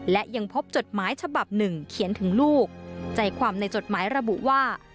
และยังพบจดหมายฉบับหนึ่งเขียนถึงลูกใจความในจดหมายระบุว่า